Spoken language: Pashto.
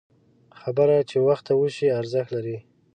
خبره چې وخته وشي، ارزښت لري